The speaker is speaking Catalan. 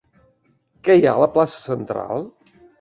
Què hi ha a la plaça central?